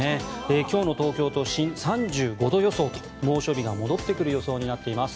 今日の東京都心、３５度予想と猛暑日が戻ってくる予想となっています。